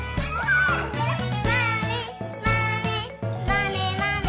「まねまねまねまね」